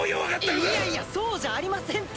いやいやそうじゃありませんって！